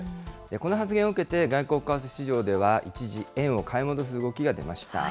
この発言を受けて外国為替市場では一時、円を買い戻す動きが出ました。